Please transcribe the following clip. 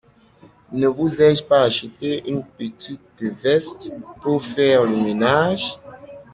Ne vous ai-je pas acheté une petite veste pour faire le ménage ?